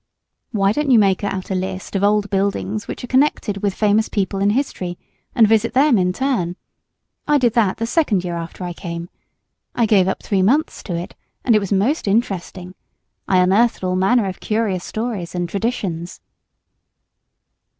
"Why don't you make out a list of old buildings which are connected with famous people in history, and visit them in turn? I did that the second year after I came. I gave up three months to it, and it was most interesting. I unearthed all manner of curious stories and traditions."